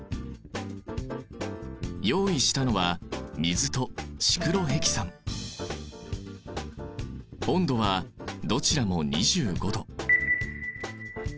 用意したのは温度はどちらも２５度。